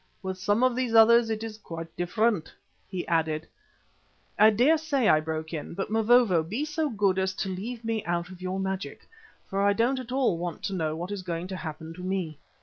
With some of these others it is quite different," he added. "I daresay," I broke in, "but, Mavovo, be so good as to leave me out of your magic, for I don't at all want to know what is going to happen to me.